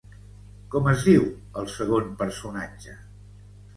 Com es diu el segon personatge?